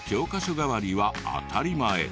代わりは当たり前。